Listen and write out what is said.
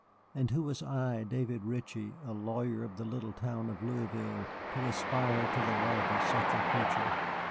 And who was I, David Ritchie, a lawyer of the little town of Louisville, to aspire to the love of such a creature?